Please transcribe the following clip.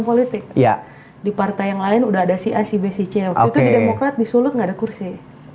politik ya di partai yang lain udah ada si a si b si c waktu itu di demokrat disulut nggak ada kursi